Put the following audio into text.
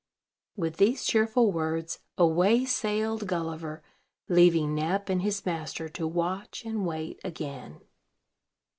With these cheerful words, away sailed Gulliver, leaving Nep and his master to watch and wait again.